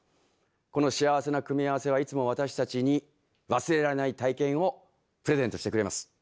この幸せな組み合わせはいつも私たちに忘れられない体験をプレゼントしてくれます。